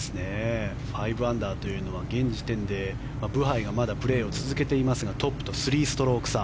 ５アンダーというのは現時点でブハイがまだプレーを続けていますがトップと３ストローク差。